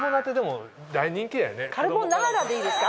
カルボナーラでいいですか？